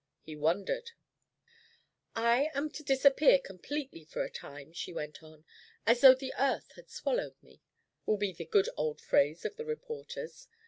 He wondered. "I am to disappear completely for a time," she went on. "'As though the earth had swallowed me' will be the good old phrase of the reporters.